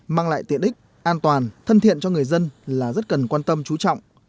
mang lại tiện ích an toàn thân thiện cho người dân là rất cần quan tâm chú trọng